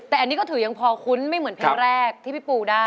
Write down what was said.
แต่อันนี้ก็ถือยังพอคุ้นไม่เหมือนเพลงแรกที่พี่ปูได้